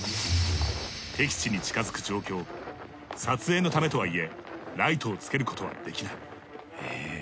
敵地に近づく状況撮影のためとはいえライトをつけることはできない。